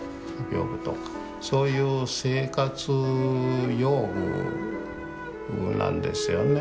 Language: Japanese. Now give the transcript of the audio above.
そういう生活用具なんですよね。